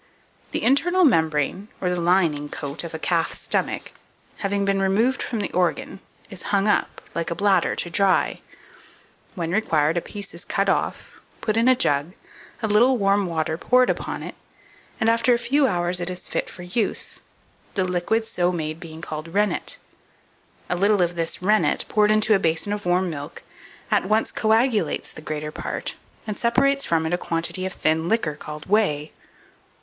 The internal membrane, or the lining coat of a calf's stomach, having been removed from the organ, is hung up, like a bladder, to dry; when required, a piece is cut off, put in a jug, a little warm water poured upon it, and after a few hours it is fit for use; the liquid so made being called rennet. A little of this rennet, poured into a basin of warm milk, at once coagulates the greater part, and separates from it a quantity of thin liquor, called whey.